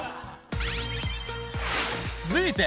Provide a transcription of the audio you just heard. ［続いて］